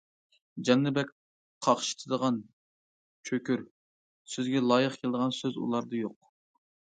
جاننى بەك قاقشىتىدىغان« چۆكۈر» سۆزىگە لايىق كېلىدىغان سۆز ئۇلاردا يوق.